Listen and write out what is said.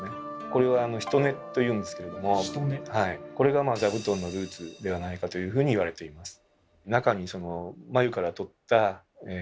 これは「茵」というんですけれどもこれが座布団のルーツではないかというふうにいわれています。